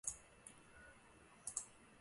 我要高潮了